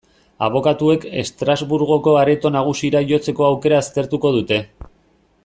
Abokatuek Estrasburgoko Areto Nagusira jotzeko aukera aztertuko dute.